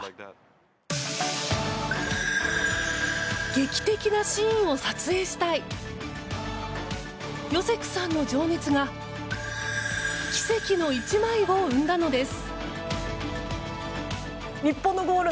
劇的なシーンを撮影したいヨセクさんの情熱が奇跡の１枚を生んだのです。